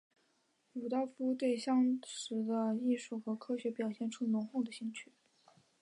鲁道夫对当时的艺术和科学表现出浓厚的兴趣。